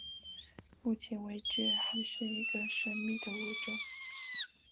目前为止还是一个神秘的物种。